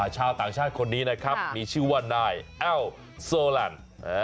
ชาวต่างชาติคนนี้นะครับมีชื่อว่านายแอ้วโซแลนด์